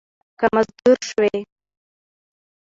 که مزدور شوې